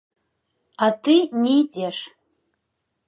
А ты не ідзеш.